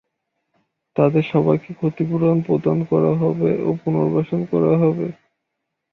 তাদের সবাইকে ক্ষতিপূরণ প্রদান করা হবে ও পুনর্বাসন করা হবে।